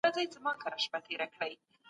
سیاستپوهنه باید په جدي توګه وڅېړل سي.